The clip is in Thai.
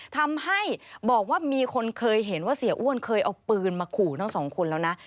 ทำให้บอกว่ามีคนเคยเห็นว่าเสียอ้วนเคยเอาปืนมาขู่ทั้งสองคนแล้วนะ